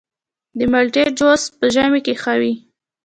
د مالټې جوس په ژمي کې ښه وي.